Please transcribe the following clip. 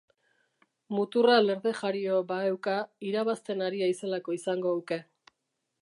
Muturra lerde jario baheuka, irabazten ari haizelako izango huke.